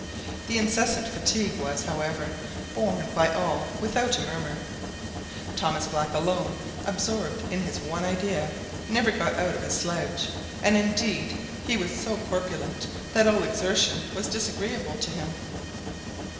The incessant fatigue was, however, borne by all without a murmur. Thomas Black alone, absorbed in his one idea, never got out of his sledge, and indeed be was so corpulent that all exertion was disagreeable to him.